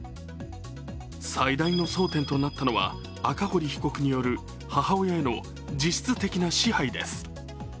最大の争点となったのは、赤堀被告による母親への実質的な支配です。